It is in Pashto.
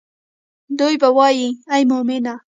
دوي به وائي اے مومنه!